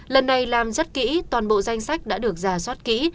lần này làm rất kỹ toàn bộ danh sách đã được giả soát kỹ